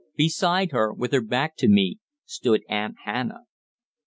Beside her, with her back to me, stood Aunt Hannah!